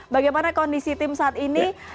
bagaimana kondisi tim saat ini